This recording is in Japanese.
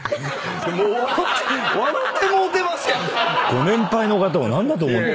ご年配の方を何だと思って。